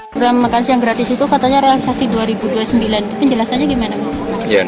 program makan siang gratis itu katanya relaksasi dua ribu dua puluh sembilan itu penjelasannya gimana